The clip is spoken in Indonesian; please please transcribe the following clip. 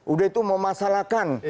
udah itu memasalahkan